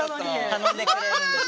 頼んでくれるんです。